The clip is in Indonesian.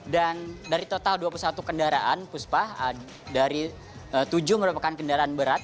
dan dari total dua puluh satu kendaraan puspa dari tujuh merupakan kendaraan berat